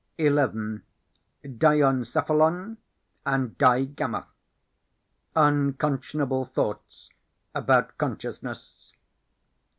11. Dien cephalon and Di Gamma Unconscionable Thoughts about Consciousness.